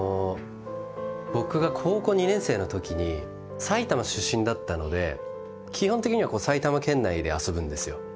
僕が高校２年生の時に埼玉出身だったので基本的には埼玉県内で遊ぶんですよ。